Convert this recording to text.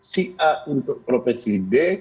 si a untuk profesi b